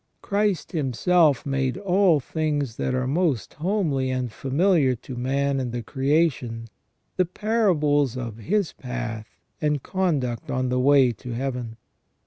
Christ Himself made all things that are most homely and familiar to man in the creation the parables of his path, and conduct on the way to Heaven.